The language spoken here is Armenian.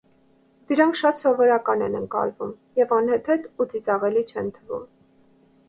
Դրանք շատ սովորական են ընկալվում և անհեթեթ ու ծիծաղելի չեն թվում։